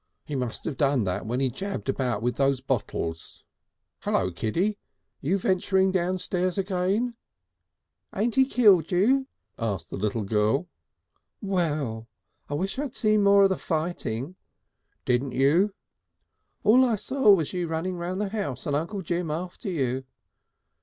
He must have done that when he jabbed about with those bottles. Hullo, Kiddy! You venturing downstairs again?" "Ain't he killed you?" asked the little girl. "Well!" "I wish I'd seen more of the fighting." "Didn't you?" "All I saw was you running round the house and Uncle Jim after you."